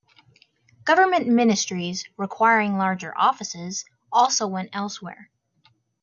Government ministries, requiring larger offices, also went elsewhere.